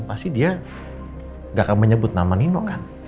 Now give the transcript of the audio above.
pasti dia nggak akan menyebut nama nino kan